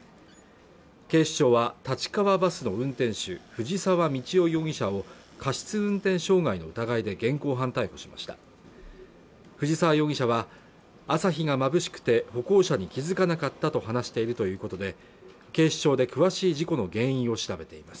警視庁は立川バスの運転手藤沢道郎容疑者を過失運転傷害の疑いで現行犯逮捕しました藤沢容疑者は朝日がまぶしくて歩行者に気づかなかったと話しているということで警視庁で詳しい事故の原因を調べています